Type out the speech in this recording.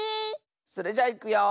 それじゃいくよ。